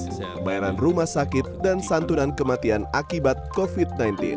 pembayaran rumah sakit dan santunan kematian akibat covid sembilan belas